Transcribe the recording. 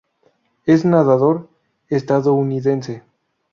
Es nadador estadounidense.